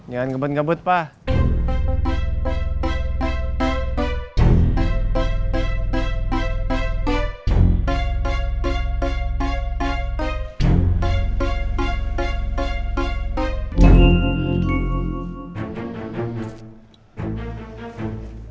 jangan ngebut ngebut pak